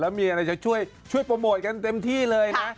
มีอะไรจะช่วยโปรโมทกันเต็มที่เลยนะ